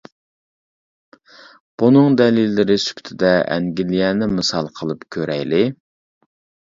بۇنىڭ دەلىللىرى سۈپىتىدە ئەنگلىيەنى مىسال قىلىپ كۆرەيلى.